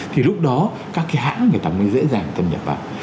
thì lúc đó các cái hãng người ta mới dễ dàng thâm nhập vào